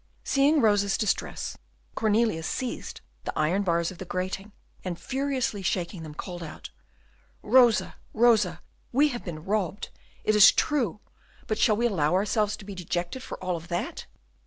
Seeing Rosa's distress, Cornelius seized the iron bars of the grating, and furiously shaking them, called out, "Rosa, Rosa, we have been robbed, it is true, but shall we allow ourselves to be dejected for all that?